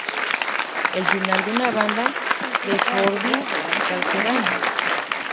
El final de una banda", de Jordi Galceran.